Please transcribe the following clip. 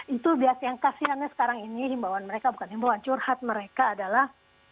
itu biasanya yang kasiannya sekarang ini imbauan mereka bukan imbauan curhat mereka adalah